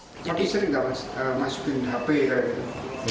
tapi sering gak masukin hp